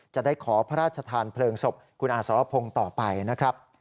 จะได้ขอพระราชทานเพลิงศพคุณอาสรพงศ์ต่อไปนะครับ